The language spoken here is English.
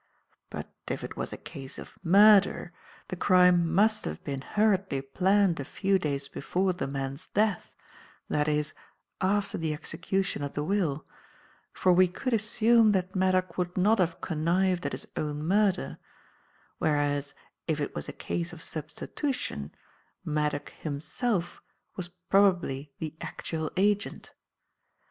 But if it was a case of murder, the crime must have been hurriedly planned a few days before the man's death that is, after the execution of the will; for we could assume that Maddock would not have connived at his own murder; whereas, if it was a case of substitution Maddock, himself, was probably the actual agent.